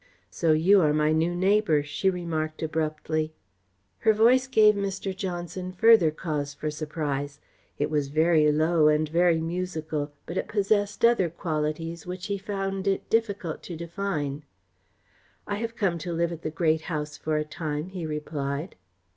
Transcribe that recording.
"So you are my new neighbour," she remarked abruptly. Her voice gave Mr. Johnson further cause for surprise. It was very low and very musical, but it possessed other qualities which he found it difficult to define. "I have come to live at the Great House for a time," he replied.